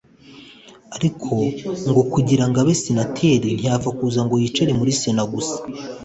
ariko ngo kugira ngo abe senateri ntiyapfa kuza ngo yicare muri sena gusa